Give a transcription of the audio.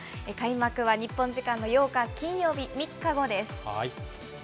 開幕は日本時間の８日金曜日、３日後です。